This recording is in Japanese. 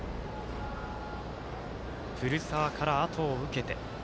古澤から、あとを受けて。